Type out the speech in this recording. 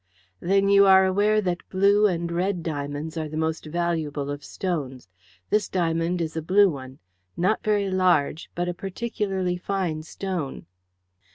"Then you are aware that blue and red diamonds are the most valuable of stones. This diamond is a blue one not very large, but a particularly fine stone."